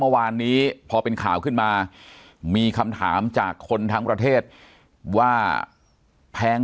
เมื่อวานนี้พอเป็นข่าวขึ้นมามีคำถามจากคนทั้งประเทศว่าแพง